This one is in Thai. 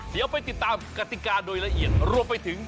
เดี๋ยวไปติดตามกติกาโดยละเอียดรวมไปถึง